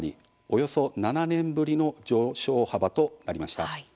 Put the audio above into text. およそ７年ぶりの上昇幅となりました。